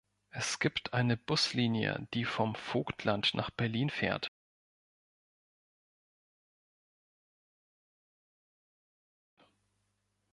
Es gibt eine Buslinie, die vom Vogtland nach Berlin fährt.